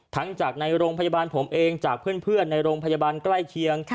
จากในโรงพยาบาลผมเองจากเพื่อนในโรงพยาบาลใกล้เคียง